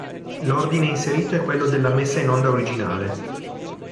L'ordine inserito è quello della messa in onda originale.